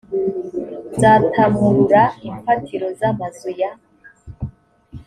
nzatamurura imfatiro z’amazu ya